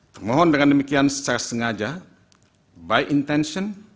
termohon dengan demikian secara sengaja by intension